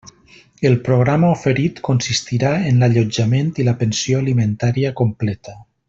El programa oferit consistirà en l'allotjament i la pensió alimentària completa.